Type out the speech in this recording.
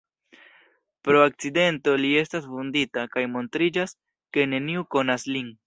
Pro akcidento li estas vundita, kaj montriĝas, ke neniu konas lin.